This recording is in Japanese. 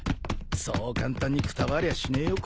そう簡単にくたばりゃしねえよ